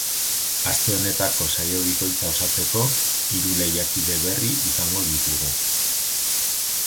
Aste honetako saio bikoitza osatzeko, hiru lehiakide berri izango ditugu.